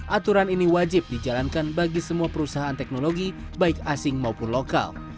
aturan ini wajib dijalankan bagi semua perusahaan teknologi baik asing maupun lokal